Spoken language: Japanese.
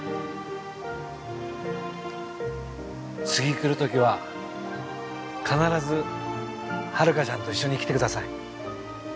次来るときは必ず遥ちゃんと一緒に来てください。